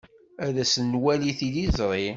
As-d ad nwali tiliẓri.